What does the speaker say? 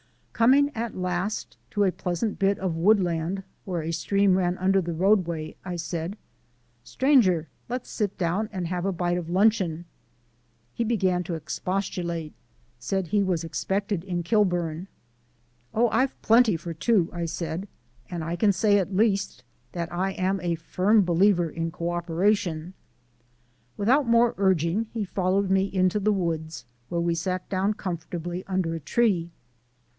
Coming at last to a pleasant bit of woodland, where a stream ran under the roadway, I said: "Stranger, let's sit down and have a bite of luncheon." He began to expostulate, said he was expected in Kilburn. "Oh, I've plenty for two," I said, "and I can say, at least, that I am a firm believer in cooperation." Without more urging he followed me into the woods, where we sat down comfortably under a tree.